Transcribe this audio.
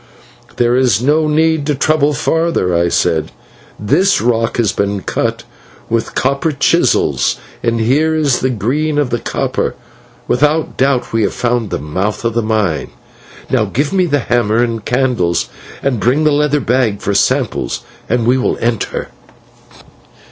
"There is no need to trouble further," I said, "this rock has been cut with copper chisels, for here is the green of the copper. Without doubt we have found the mouth of the mine. Now give me the hammer and candles, and bring the leather bag for samples, and we will enter."